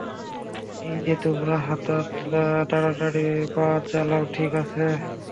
এই যে তোমরা, তাড়াতাড়ি পা চালাও, ঠিক আছে?